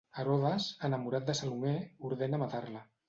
Herodes, enamorat de Salomé, ordena matar-la.